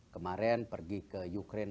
kemarin pergi ke ukraine